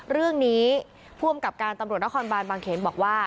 เรื่องนี้ผู้อำกับการตำรวจนครบานบางเขนบอกว่า